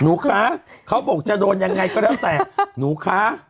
หนูคะเขาบอกจะโดนยังไงก็แล้วแต่หนูคะ